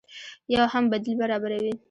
يو مهم بديل برابروي